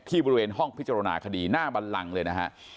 บริเวณห้องพิจารณาคดีหน้าบันลังเลยนะฮะ